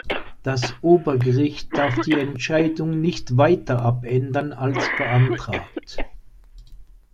Das Obergericht darf die Entscheidung nicht weiter abändern als beantragt.